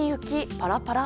パラパラ？